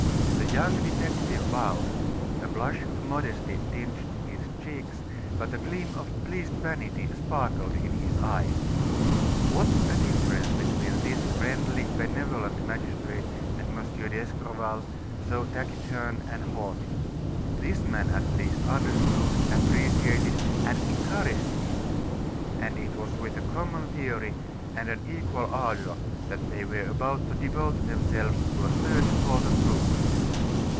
The young detective bowed; a blush of modesty tinged his cheeks, but a gleam of pleased vanity sparkled in his eyes. What a difference between this friendly, benevolent magistrate and M. d'Escorval, so taciturn and haughty. This man, at least, understood, appreciated, and encouraged him; and it was with a common theory and an equal ardor that they were about to devote themselves to a search for the truth.